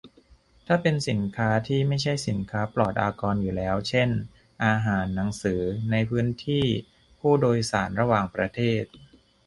ถ้าเป็นสินค้าที่ไม่ใช่สินค้าปลอดอากรอยู่แล้ว เช่น อาหาร หนังสือ ในพื้นที่ผู้โดยสารระหว่างประเทศ